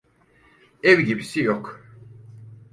Ev gibisi yok.